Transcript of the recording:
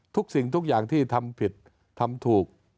ทุกสิ่งทุกอย่างที่ทำผิดทำถูก